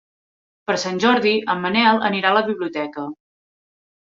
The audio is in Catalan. Per Sant Jordi en Manel anirà a la biblioteca.